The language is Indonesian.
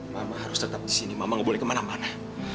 mama harus tetap di sini mama gak boleh kemana mana